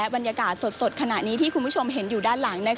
บรรยากาศสดขณะนี้ที่คุณผู้ชมเห็นอยู่ด้านหลัง